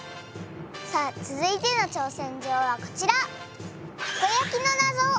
さあ続いての挑戦状はこちら！